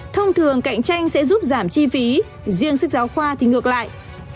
thông thường cạnh tranh sẽ giúp giảm chi phí riêng sách giáo khoa thì ngược lại